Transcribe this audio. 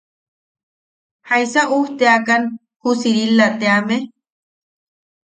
–¿Jaisa ujteakan ju Sirila teame?